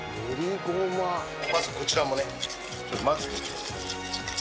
まずこちらをねちょっと混ぜていきます。